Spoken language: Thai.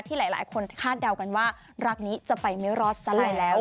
หลายคนคาดเดากันว่ารักนี้จะไปไม่รอดซะเลยแล้ว